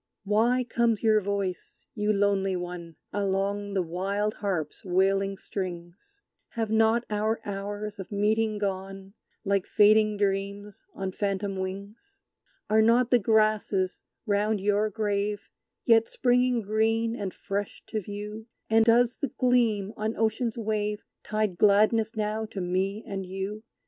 Why comes your voice, you lonely One, Along the wild harp's wailing strings? Have not our hours of meeting gone, Like fading dreams on phantom wings? Are not the grasses round your grave Yet springing green and fresh to view? And does the gleam on Ocean's wave Tide gladness now to me and you?